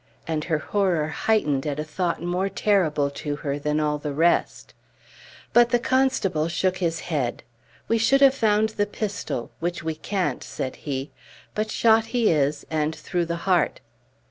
And her horror heightened at a thought more terrible to her than all the rest. But the constable shook his head. "We should have found the pistol which we can't," said he. "But shot he is, and through the heart."